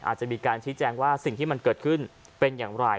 อาจจะมีการชี้แจงว่าสิ่งที่มันเกิดขึ้นเป็นอย่างไร